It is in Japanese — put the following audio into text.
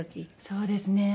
そうですね。